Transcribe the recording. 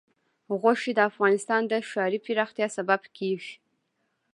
غوښې د افغانستان د ښاري پراختیا سبب کېږي.